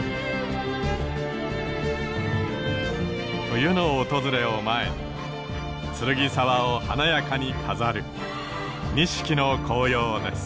冬の訪れを前に剱沢を華やかに飾る錦の紅葉です。